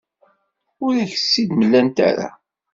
Ur ak-tt-id-mlant ara.